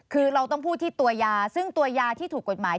คือเราต้องพูดที่ตัวยาซึ่งตัวยาที่ถูกกฎหมาย